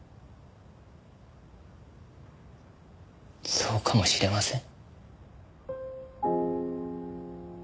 そうかもしれません。